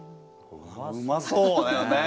うまそうだよね。